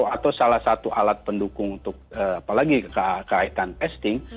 atau salah satu alat pendukung untuk apalagi kaitan testing